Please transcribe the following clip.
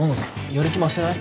やる気増してない？